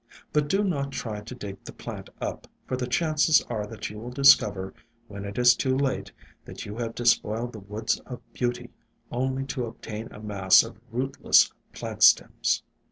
But do not try to dig the plant up, for the chances are that you will discover, when it is too late, that you have despoiled the woods of beauty, only to obtain a mass of rootless plant stems.